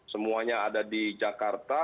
semuanya ada di jakarta